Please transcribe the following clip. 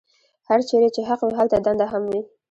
هرچېرې چې حق وي هلته دنده هم وي.